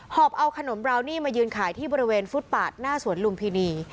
อบเอาขนมราวนี่มายืนขายที่บริเวณฟุตปาดหน้าสวนลุมพินี